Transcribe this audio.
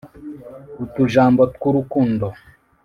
utujambo tw’urukundo